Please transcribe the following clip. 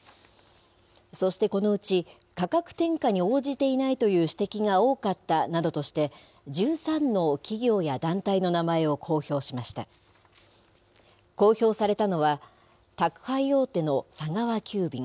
そしてこのうち、価格転嫁に応じていないという指摘が多かったなどとして、１３の企業や団体の名前を公表しました。